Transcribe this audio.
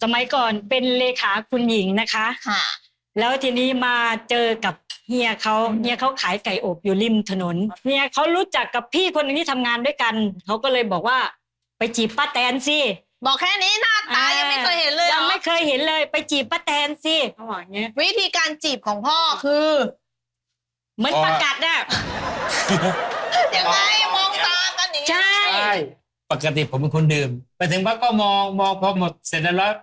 บอกแค่นี้หน้าตายังไม่เคยเห็นเลยหรืออะไรหรือว่าคงไม่แพ้